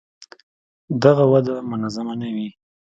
دغه وده منظمه نه وي.